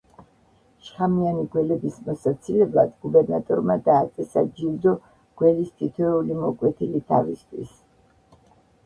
შხამიანი გველების მოსაცილებლად გუბერნატორმა დააწესა ჯილდო გველის თითოეული მოკვეთილი თავისთვის.